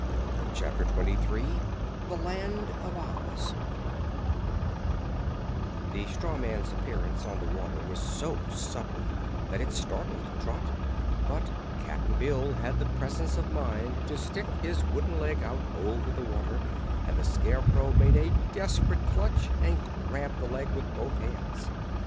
Chapter Twenty Three The Land of Oz The straw man's appearance on the water was so sudden that it startled Trot, but Cap'n Bill had the presence of mind to stick his wooden leg out over the water and the Scarecrow made a desperate clutch and grabbed the leg with both hands.